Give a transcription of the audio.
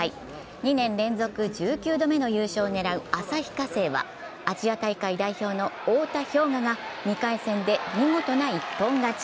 ２年連続１９度目の優勝を狙う旭化成は、アジア大会代表の太田彪雅が２回戦で見事な一本勝ち。